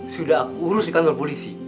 sudah aku urus di kantor polisi